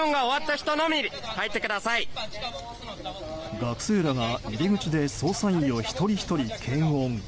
学生らが入り口で捜査員を一人ひとり検温。